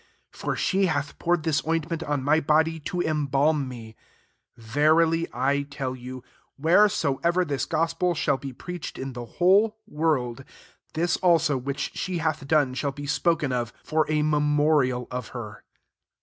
12 For she hath poured this ointment on my body, to embalm me. 13 Verily I tell you. Wheresoever this gospel shall be preached in the whole world, this also which she hath done shall be spoken of, for a memorial of her."